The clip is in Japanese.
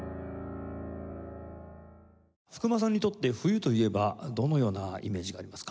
福間さんにとって冬といえばどのようなイメージがありますか？